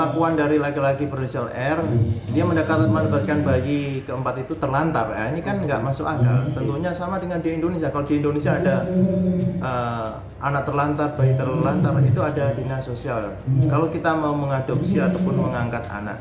kalau kita mau mengadopsi ataupun mengangkat anak